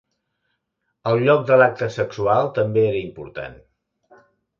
El lloc de l'acte sexual també era important.